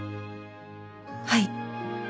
はい。